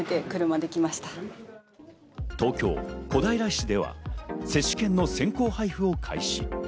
東京・小平市では接種券の先行配布を開始。